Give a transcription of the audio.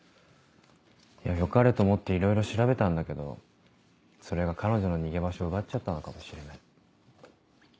よかれと思っていろいろ調べたんだけどそれが彼女の逃げ場所を奪っちゃったのかもしれない。